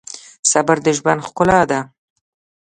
صبر د ژوند ښکلا ده.